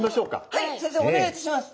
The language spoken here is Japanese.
はい先生お願いいたします。